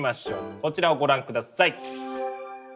こちらをご覧下さい！